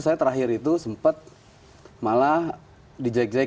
saya terakhir itu sempat malah dijaik jaik